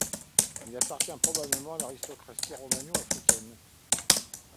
Il appartenait probablement à l'aristocratie romano-africaine.